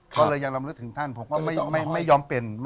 ก็เลยยังลำลึกถึงท่านผมก็ไม่ยอมเปลี่ยน